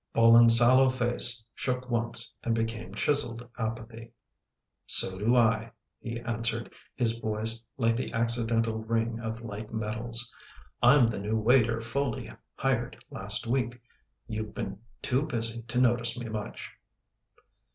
Bolin's sallow face shook once and became chiseled apathy. " So do I," he answered, his voice like the accidental ring of light metals. " I'm the new waiter Foley hired last week. You've been too busy to notice me much."